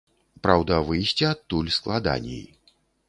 Праўда, выйсці адтуль складаней.